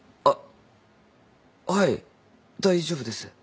あっはい大丈夫です。